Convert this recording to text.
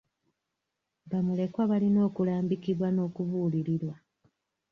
Bamulekwa balina okulambikibwa n'okubuulirirwa.